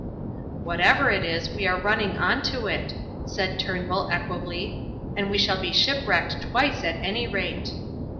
"Whatever it is, we are running on to it," said Turnbull, equably, "and we shall be shipwrecked twice, at any rate."